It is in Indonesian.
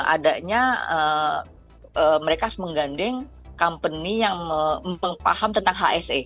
adanya mereka mengganding company yang mempaham tentang hsa